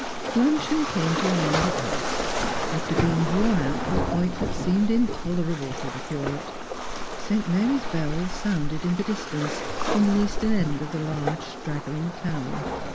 Luncheon came to an end at last, after being drawn out to a point that seemed intolerable to the curate; St. Mary's bells Bounded in the distance, from the eastern end of the large straggling town.